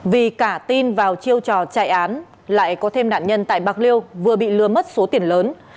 vì cả tin vào chiêu trò chạy án lại có thêm nạn nhân tại bạc liêu vừa bị lừa mất số tiền lớn